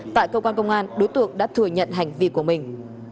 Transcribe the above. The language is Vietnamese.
tại cơ quan công an đối tượng đã thừa nhận hành vi của mình